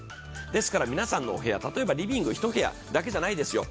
ですから、皆さんのお部屋、例えばリビング１部屋だけじゃないですよ